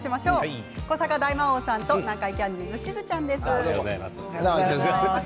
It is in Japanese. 古坂大魔王さんと南海キャンディーズのしずちゃんです。